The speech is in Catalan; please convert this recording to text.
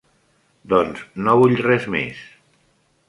Doncs no vull res més.